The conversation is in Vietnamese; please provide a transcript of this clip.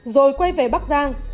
rồi quay về bắc giang